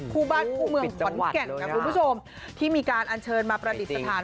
คู่บ้านคู่เมืองขวัญแก่นที่มีการอันเชิญมาประดิษฐาน